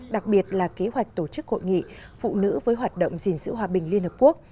đặc biệt là kế hoạch tổ chức hội nghị phụ nữ với hoạt động gìn giữ hòa bình liên hợp quốc